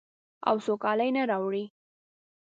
او سوکالي نه راوړي.